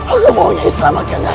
aku mohonnya selamatkan rai